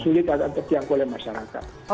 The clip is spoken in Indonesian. sulit akan terjangkau oleh masyarakat